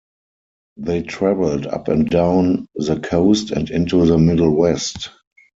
They traveled up and down the coast and into the Middle West.